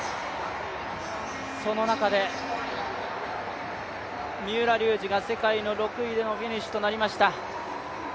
その中で三浦龍司が世界の６位でのフィニッシュとなりました。